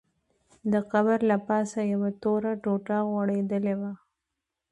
د قبر له پاسه یوه توره ټوټه غوړېدلې وه.